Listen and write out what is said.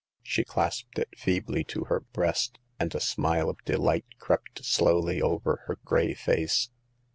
She clasped it feebly to her breast, and a smile of delight crept slowly over her gray face.